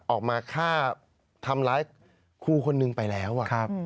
ออกมาฆ่าทำร้ายครูคนนึงไปแล้ว